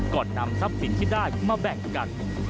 ก่อนนำทรัพย์สินที่ได้มาแบ่งกัน